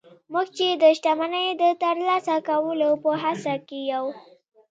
موږ چې د شتمني د ترلاسه کولو په هڅه کې يو.